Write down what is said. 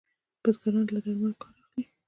بزګران له درملو کار اخلي.